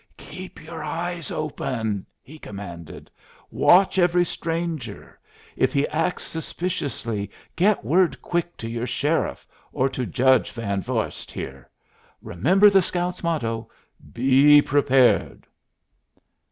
"Keep your eyes open!" he commanded. "Watch every stranger. If he acts suspiciously, get word quick to your sheriff, or to Judge Van Vorst here. Remember the scouts' motto, 'Be prepared!'"